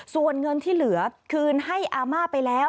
ส่วนเงินที่เหลือคืนให้อาม่าไปแล้ว